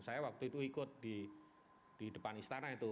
saya waktu itu ikut di depan istana itu